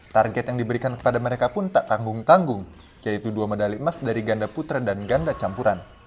target yang diberikan kepada mereka pun tak tanggung tanggung yaitu dua medali emas dari ganda putra dan ganda campuran